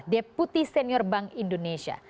deputi senior bank indonesia